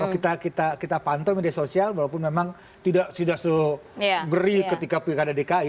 kalau kita pantau media sosial walaupun memang sudah seberi ketika pilkada dki